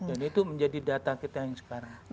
dan itu menjadi data kita yang sekarang